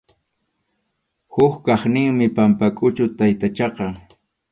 Huk kaqninmi Pampakʼuchu taytachaqa.